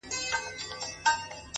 د مسجد لوري ـ د مندر او کلیسا لوري ـ